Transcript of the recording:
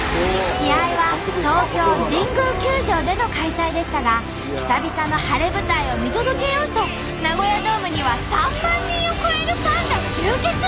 試合は東京神宮球場での開催でしたが久々の晴れ舞台を見届けようとナゴヤドームには３万人を超えるファンが集結。